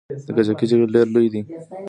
د کجکي جهیل ډیر لوی دی